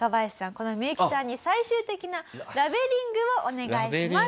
このミユキさんに最終的なラベリングをお願いします。